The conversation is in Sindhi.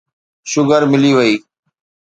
شوگر ملي وئي.